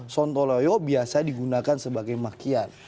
sontoloyo biasa digunakan sebagai makian